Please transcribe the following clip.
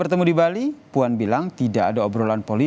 terima kasih pak prabowo